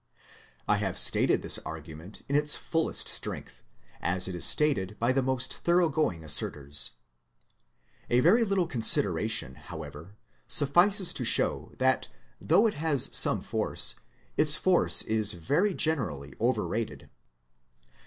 I have stated this argument in its fullest strength, as it is stated by its most thoroughgoing assertors. 168 THEISM A very litfie consideration, however, suffices to show that though it has some force, its force is very generally overrated.